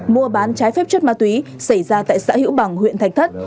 mua bán trái phép chất ma túy xảy ra tại xã hiễu bằng huyện thạch thất